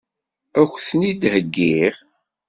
Ad k-tent-id-heggiɣ?